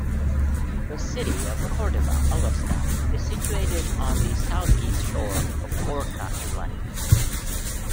The city of Cordova, Alaska is situated on the southeast shore of Orca Inlet.